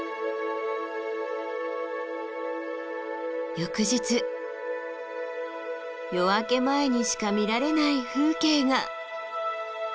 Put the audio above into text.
翌日夜明け前にしか見られない風景が。